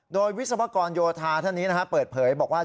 โดยวิศวกรโยธาท่านนี้เปิดเผยบอกว่า